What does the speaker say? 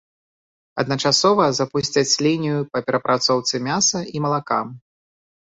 Адначасова запусцяць лінію па перапрацоўцы мяса і малака.